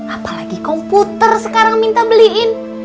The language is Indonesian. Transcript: apalagi komputer sekarang minta beliin